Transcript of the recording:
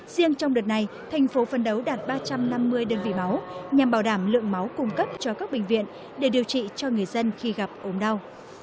riêng trong đợt này thành phố phân đấu đạt ba trăm năm mươi đơn vị máu nhằm bảo đảm lượng máu cung cấp cho các bệnh viện để điều trị cho người dân khi gặp ốm đau